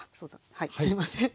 はいすいません。